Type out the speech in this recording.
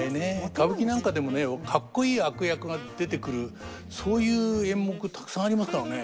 歌舞伎なんかでもねカッコいい悪役が出てくるそういう演目たくさんありますからね。